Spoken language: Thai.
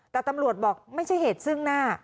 แต่ตำรวจบอกไม่ใช่เหตุซึ่งหน้า